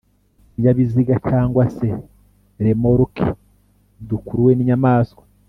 utunyabiziga cg se remoruke dukuruwe n’inyamaswa